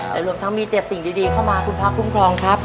แต่รวมทั้งมีแต่สิ่งดีเข้ามาคุณพระคุ้มครองครับ